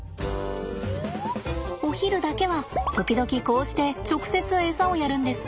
お昼だけは時々こうして直接エサをやるんです。